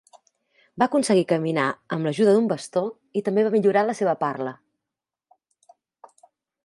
Va aconseguir caminar amb l'ajuda d'un bastó i també va millorar la seva parla.